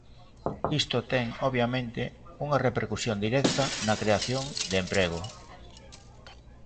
Isto ten, obviamente, unha repercusión directa na creación de emprego.